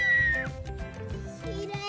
きれい。